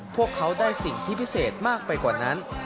พวกเขาได้สิ่งที่พิเศษมากไปกว่านั้น